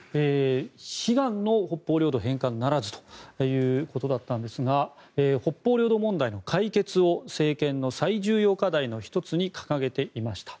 悲願の北方領土返還ならずということだったんですが北方領土問題の解決を政権の最重要課題の１つに掲げていました。